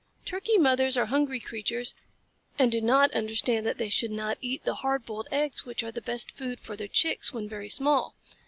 Turkey mothers are hungry creatures, and do not understand that they should not eat the hard boiled eggs which are the best food for their Chicks when very small.